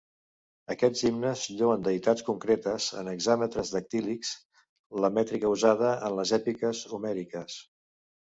Aquests himnes lloen deïtats concretes en hexàmetres dactílics, la mètrica usada en les èpiques homèriques.